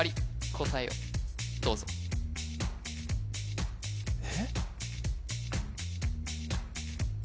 答えをどうぞえっ？